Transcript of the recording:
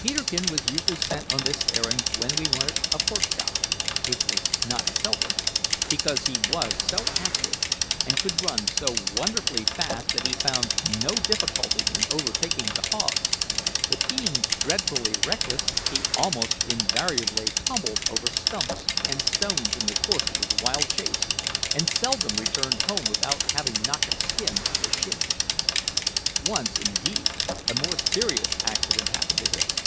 Peterkin was usually sent on this errand when we wanted a pork chop (which was not seldom), because he was so active and could run so wonderfully fast that he found no difficulty in overtaking the hogs; but being dreadfully reckless, he almost invariably tumbled over stumps and stones in the course of his wild chase, and seldom returned home without having knocked the skin off his shins. Once, indeed, a more serious accident happened to him.